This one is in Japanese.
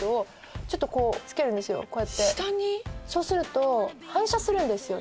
そうすると反射するんです。